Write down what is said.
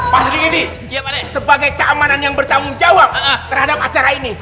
fajri ini sebagai keamanan yang bertanggung jawab terhadap acara ini